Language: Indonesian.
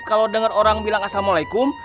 kalo denger orang bilang asalamualaikum